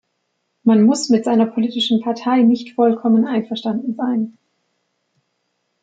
Man muss mit seiner politischen Partei nicht vollkommen einverstanden sein.